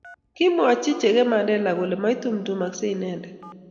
kimwochi cheke Mandela kole maitumtumoksei inende